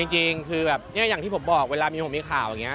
จริงคือแบบเนี่ยอย่างที่ผมบอกเวลามีผมมีข่าวอย่างนี้